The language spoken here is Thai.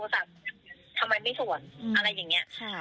ทำไมไม่สวดอะไรอย่างนี้